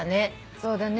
そうだね。